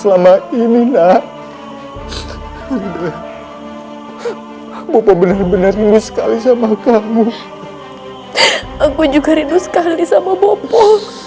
selama ini nak bapak bener bener mirip sekali sama kamu aku juga rindu sekali sama bapak